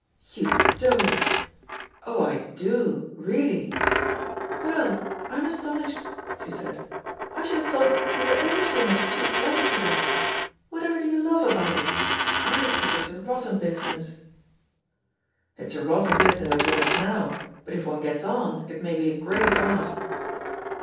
'* •'You don'tr^ "Oh, I do— really!" 'W^ell, I am astonished," she said. '^I should have thought you were ever so much too clever for that. Whatever do you love about it? I think it's a rotten business." ''It's a rotten business as one is now, but if one gets on, it may be a great art."